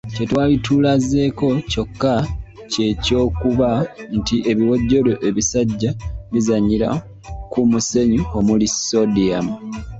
Kye twali tulazeeko kyokka ky’ekyokuba nti ebiwojjolo ebisajja bizannyira ku musenyu omuli soodiyamu.